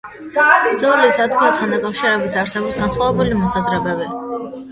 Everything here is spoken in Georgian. ბრძოლის ადგილთან დაკავშირებით არსებობს განსხვავებული მოსაზრებები.